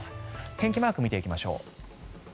天気マーク見ていきましょう。